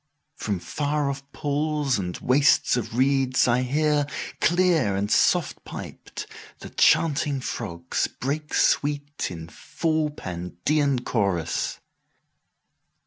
11From far off pools and wastes of reeds I hear,12Clear and soft piped, the chanting frogs break sweet13In full Pandean chorus.